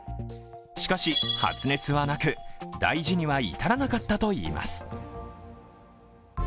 しかし、発熱はなく、大事には至らなかったといいます。